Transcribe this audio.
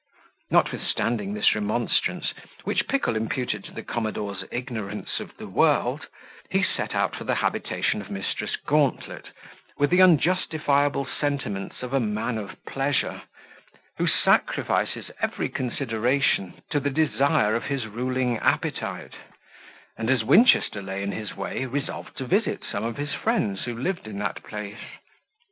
Notwithstanding this remonstrance, which Pickle imputed to the commodore's ignorance of the world, he set out for the habitation of Mrs. Gauntlet, with the unjustifiable sentiments of a man of pleasure, who sacrifices every consideration to the desire of his ruling appetite; and, as Winchester lay in his way, resolved to visit some of his friends who lived in that place.